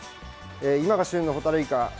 今が旬のホタルイカ。